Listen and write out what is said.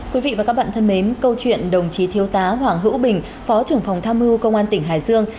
quý vị và các bạn thân mến câu chuyện đồng chí thiếu tá hoàng hữu bình phó trưởng phòng tham mưu công an tỉnh hải dương